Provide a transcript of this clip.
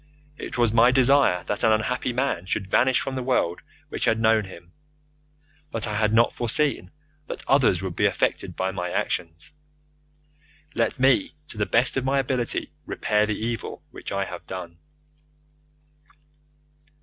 It was my desire that an unhappy man should vanish from the world which had known him, but I had not foreseen that others would be affected by my actions. Let me to the best of my ability repair the evil which I have done.